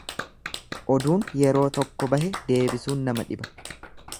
Oduun yeroo tokko bahe deebisuun nama dhiba.